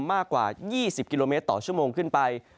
มากกว่า๒๐กิโลเมตรต่อชั่วโมงขึ้นไป